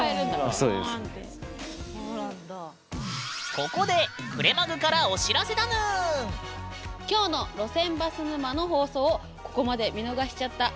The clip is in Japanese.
ここでくれまぐから今日の路線バス沼の放送をここまで見逃しちゃったあなたへ！